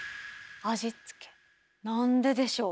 味付けなんででしょう？